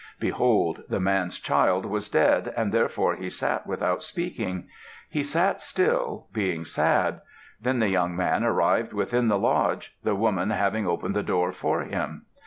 Behold! The man's child was dead, and therefore he sat without speaking. He sat still, being sad. Then the young man arrived within the lodge, the woman having opened the door for him.